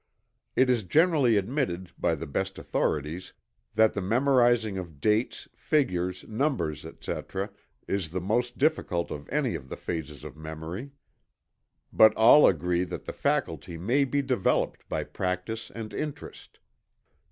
It is generally admitted by the best authorities that the memorizing of dates, figures, numbers, etc., is the most difficult of any of the phases of memory. But all agree that the faculty may be developed by practice and interest.